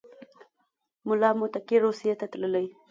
ملا متقي روسیې ته تللی